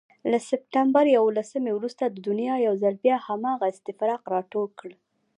له سپتمبر یوولسمې وروسته دنیا یو ځل بیا هماغه استفراق راټول کړ.